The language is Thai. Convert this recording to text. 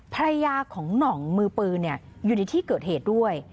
ภรรยาของหน่องมือปืนอยู่ในที่เกิดเหตุด้วย